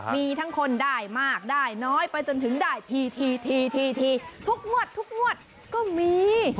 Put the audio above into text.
มีทั้งคนได้มากได้น้อยไปจนถึงได้ทีทุกงวดทุกงวดก็มี